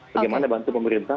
bagaimana bantu pemerintah